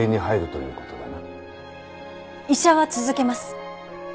医者は続けます。